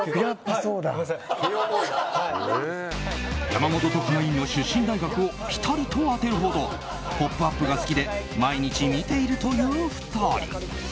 山本特派員の出身大学をピタリと当てるほど「ポップＵＰ！」が好きで毎日見ているという２人。